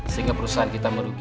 sehingga perusahaan kita merugi